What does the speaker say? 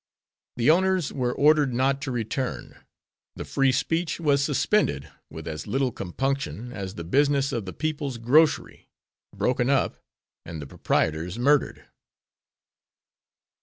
The owners were ordered not to return, the Free Speech was suspended with as little compunction as the business of the "People's Grocery" broken up and the proprietors murdered.